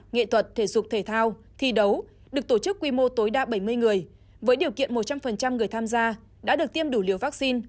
nghệ thuật thể dục thể thao thi đấu được tổ chức quy mô tối đa bảy mươi người với điều kiện một trăm linh người tham gia đã được tiêm đủ liều vaccine